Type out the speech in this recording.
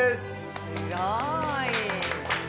すごい！